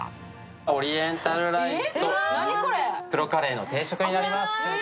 オリエンタルライスと黒カレーの定食になります。